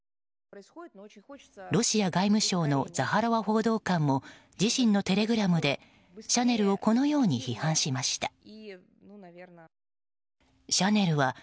ロシア外務省のザハロワ報道官も自身のテレグラムでシャネルをこのように批判しました。